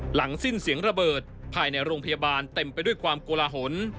หลังสิ้นเสียงระเบิดภายในโรงพยาบาลเต็มไปด้วยความโกลาหล